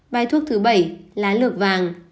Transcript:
bài thuốc thứ bảy lá lược vàng